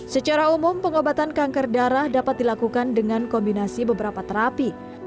secara umum pengobatan kanker darah dapat dilakukan dengan kombinasi beberapa terapi